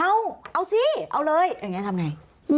เอาเอาสิเอาเลยอย่างนี้ทำไง